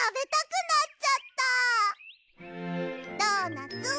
ドーナツ